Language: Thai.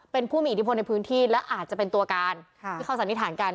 เป็นผู้มีอิทธิพลในพื้นที่และอาจจะเป็นตัวการที่เขาสันนิษฐานกัน